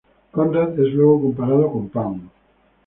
Conrad es luego comparado con Pan.